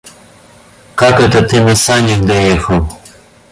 Как это ты на санях доехал?